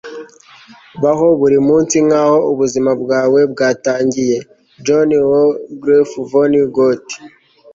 baho buri munsi nkaho ubuzima bwawe bwatangiye. - johann wolfgang von goethe